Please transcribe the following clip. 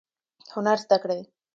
هنر زده کړئ